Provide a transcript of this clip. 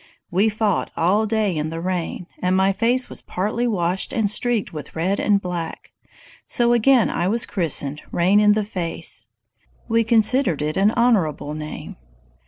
We fought all day in the rain, and my face was partly washed and streaked with red and black: so again I was christened Rain in the Face. We considered it an honorable name.